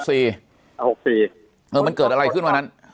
มันเกิดอะไรขึ้นวันนั้น